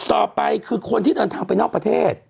ต่อไปคือคนที่เดินทางไปนอกประเทศ